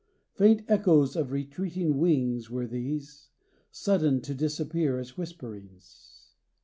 Faint echoes of retreating wings Were these; sudden to disappear as whisperings.